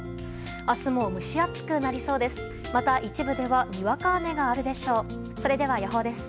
明日も蒸し暑くなりそうです。